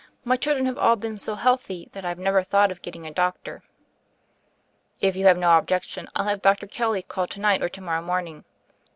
My children have all been so healthy that I've never thought of getting a doctor." "If you nave no objections, I'll have Dr. Kelly call to night, or to morrow morning."